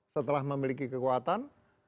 setelah memiliki kekuatan